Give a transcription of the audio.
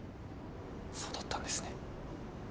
そうだったんですね。